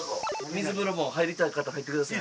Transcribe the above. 水風呂も入りたい方入ってください。